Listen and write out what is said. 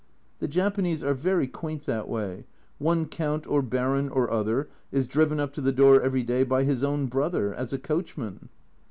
The Japanese are very quaint that way one Count or Baron or other is driven up to the door every day by his own brother as a coachman).